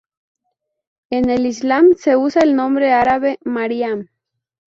En el Islam se usa el nombre árabe Maryam.